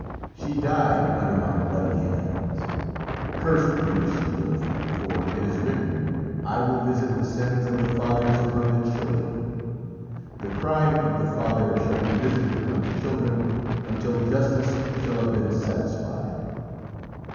She died under my bloody hands! Cursed be the she wolf! for it is written, "I will visit the sins of the fathers upon the children." The crime of the father shall be visited upon the children until justice shall have been satisfied!'